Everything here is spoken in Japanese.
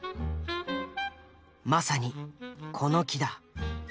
まさにこの木だ。